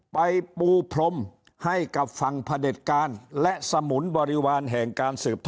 ปูพรมให้กับฝั่งพระเด็จการและสมุนบริวารแห่งการสืบท่อ